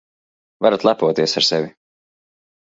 Varat lepoties ar sevi.